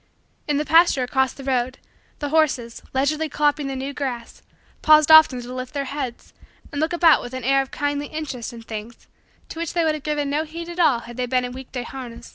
In the pasture across the road, the horses, leisurely cropping the new grass, paused often to lift their heads and look about with an air of kindly interest in things to which they would have given no heed at all had they been in week day harness.